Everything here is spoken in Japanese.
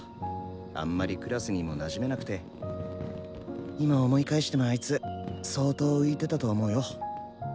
あんまりクラスにもなじめなくて今思い返してもあいつ相当浮いてたと思うよ。